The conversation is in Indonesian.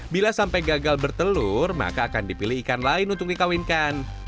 bila sampai gagal bertelur maka akan dipilih ikan lain untuk dikawinkan